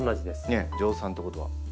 ねえ蒸散ってことは。